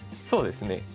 そうですね。